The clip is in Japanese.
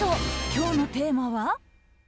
今日のテーマは。